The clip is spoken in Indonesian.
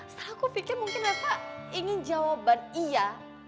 setelah aku pikir mungkin reva ingin jawaban iya